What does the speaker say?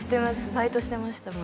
バイトしてましたもん